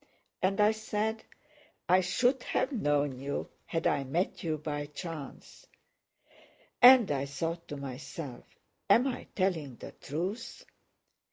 And I said, "I should have known you had I met you by chance," and I thought to myself, "Am I telling the truth?"